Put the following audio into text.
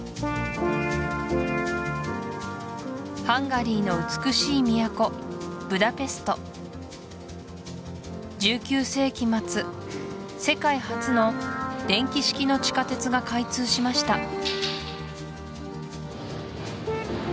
ハンガリーの美しい都ブダペスト１９世紀末世界初の電気式の地下鉄が開通しました